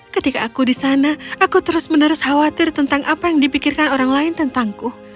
ketika aku di sana aku terus menerus khawatir tentang apa yang dipikirkan orang lain tentangku